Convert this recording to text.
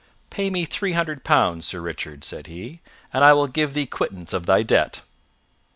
"Pay me three hundred pounds, Sir Richard," said he, "and I will give thee quittance of thy debt."